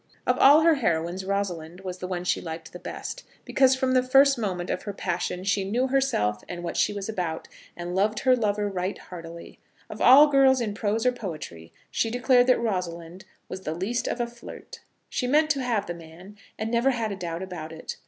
Of all her heroines, Rosalind was the one she liked the best, because from the first moment of her passion she knew herself and what she was about, and loved her lover right heartily. Of all girls in prose or poetry she declared that Rosalind was the least of a flirt. She meant to have the man, and never had a doubt about it.